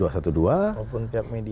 maupun pihak media